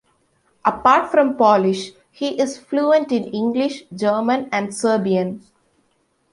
Apart from Polish, he is fluent in English, German, and Serbian.